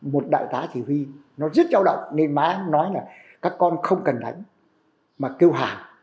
một đại tá thủy huy nó rất châu động nên má nói là các con không cần đánh mà kêu hàng